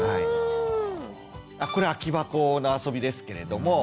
これは空き箱のあそびですけれども。